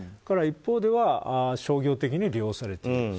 また一方では商業的に利用されている。